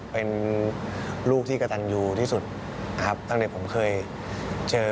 เป็นลูกที่กระตันยูที่สุดนะครับตั้งแต่ผมเคยเจอ